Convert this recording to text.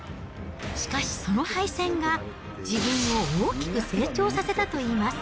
しかしその敗戦が、自分を大きく成長させたといいます。